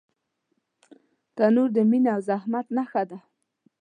تنور د مینې او زحمت نښه ده